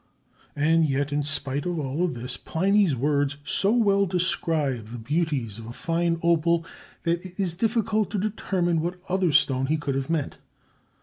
And yet, in spite of all this, Pliny's words so well describe the beauties of a fine opal that it is difficult to determine what other stone he could have meant.